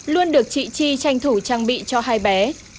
luôn được chị chi tranh thủ trang bị cho hai bé